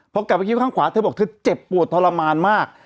พอกลับไปคิดว่าข้างขวาเธอบอกเธอเจ็บปวดทรมานมาก